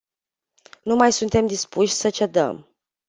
Nu mai suntem dispuși să cedăm.